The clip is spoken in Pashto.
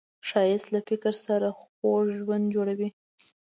ښایست له فکر سره خوږ ژوند جوړوي